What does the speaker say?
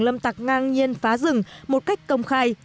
lâm tặc ngang nhiên phá rừng một cách công khai